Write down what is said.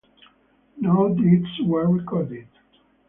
No deaths were recorded.